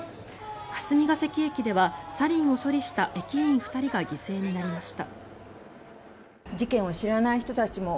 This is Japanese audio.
霞ケ関駅ではサリンを処理した駅員２人が犠牲になりました。